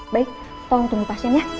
baik tolong tunggu pasiennya